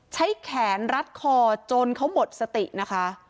ใช้แขนรัดคอจนเขาหมดสตินะคะ